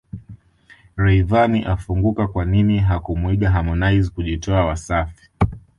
Rayvanny afunguka kwanini hakumuiga Harmonize kujitoa Wasafi